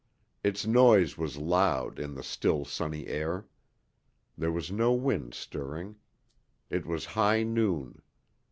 Its noise was loud in the still, sunny air. There was no wind stirring. It was high noon.